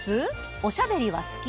おしゃべりは好き？